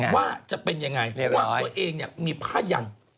ว่าจะเป็นยังไงเพราะว่าตัวเองมีผ้ายัน